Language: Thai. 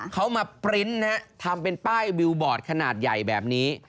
เขามาปริ้นต์ทำเป็นป้ายวิวบอร์ดขนาดใหญ่แบบนี้